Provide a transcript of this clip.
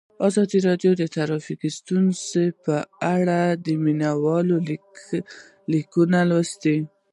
ازادي راډیو د ټرافیکي ستونزې په اړه د مینه والو لیکونه لوستي.